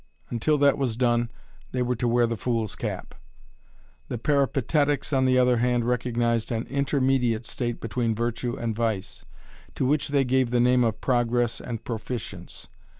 Until that was done they were to wear the fool's cap. The Peripatetics, on the other hand, recognized an intermediate state between virtue and vice, to which they gave the name of progress and proficience.